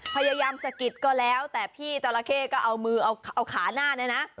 พยายามสะกิดก็แล้วแต่พี่จราเข้ก็เอามือเอาขาหน้าเนี่ยนะ